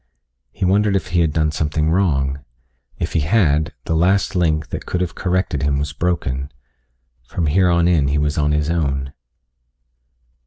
He wondered if he had done something wrong. If he had, the last link, that could have corrected him was broken. From here on in he was on his own.